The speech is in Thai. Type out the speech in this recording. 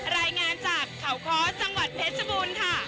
รายงานจากข่าวพอร์สจังหวัดเพชรบุญค่ะ